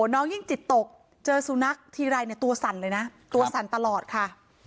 น้องยิ่งจิตตกเจอสุนัขทีไรเนี่ยตัวสั่นเลยนะตัวสั่นตลอดค่ะ